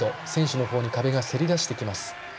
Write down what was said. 選手のほうに壁がせり出してきます。